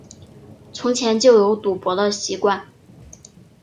从前就有赌博的习惯